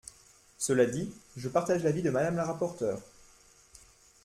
Cela dit, je partage l’avis de Madame la rapporteure.